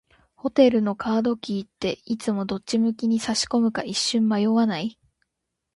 ホテルのカードキーって、いつもどっち向きに差し込むか一瞬迷わない？